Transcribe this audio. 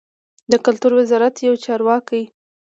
د کلتور وزارت یو چارواکي